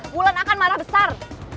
bulan akan marah besar